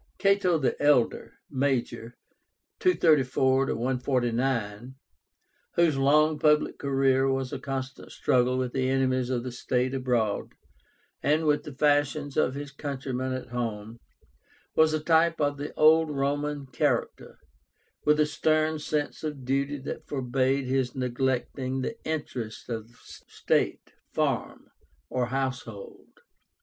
CATO THE ELDER (Major), (234 149,) whose long public career was a constant struggle with the enemies of the state abroad, and with the fashions of his countrymen at home, was a type of the old Roman character, with a stern sense of duty that forbade his neglecting the interests of state, farm, or household.